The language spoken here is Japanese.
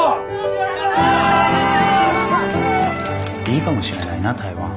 いいかもしれないな台湾。